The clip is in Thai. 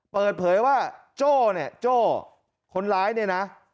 เปิดเผยว่าโจ้คนร้ายเนี่ยนะ